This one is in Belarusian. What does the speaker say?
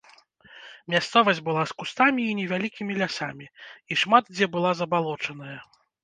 Мясцовасць была з кустамі і невялікімі лясамі і шмат дзе была забалочаная.